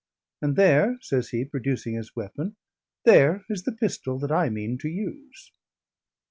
And there," says he, producing his weapon, "there is the pistol that I mean to use."